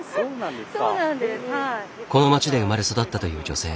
この町で生まれ育ったという女性。